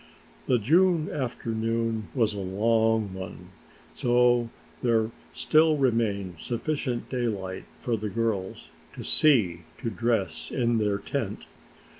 The June afternoon was a long one, so there still remained sufficient daylight for the girls to see to dress in their tent.